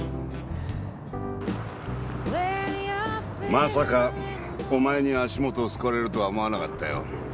まさかお前に足元をすくわれるとは思わなかったよ。